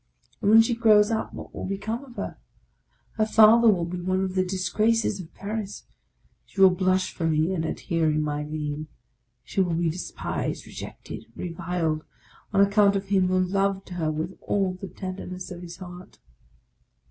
And when she grows up, what will become of her? Her Father will be one of the disgraces of Paris. She will blush for me and at hearing my name; she will be despised, rejected, reviled, on account of him who loved her with all the tender ness of his heart.